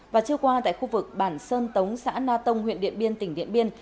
và trưa qua tại khu vực bản sơn tống xã na tông huyện điện biên tỉnh điện biên